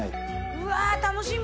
うわ楽しみ！